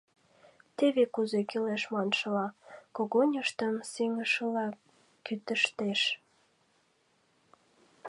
Теве кузе кӱлеш маншыла, когыньыштым сеҥышыла кӱтыштеш.